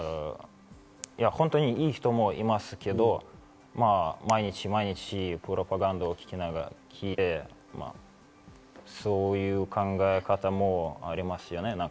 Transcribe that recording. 本当にいい人もいますけど、毎日毎日プロパガンダを聞いてそういう考え方もありますよね。